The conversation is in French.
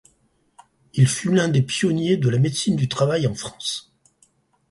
Il fut l'un des pionniers de la médecine du travail en France.